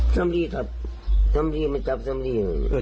สำรีจับสำรีไม่จับสำรี